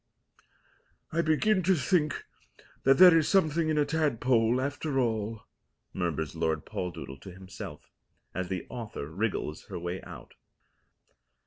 "I begin to think that there is something in a tadpole after all," murmurs Lord Poldoodle to himself, as the author wriggles her way out.